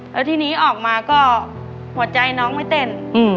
แล้วทีนี้ออกมาก็หัวใจน้องไม่เต้น